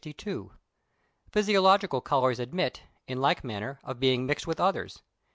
Physiological colours admit, in like manner, of being mixed with others.